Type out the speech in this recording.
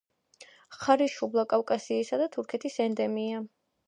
ხარისშუბლა კავკასიისა და თურქეთის ენდემია.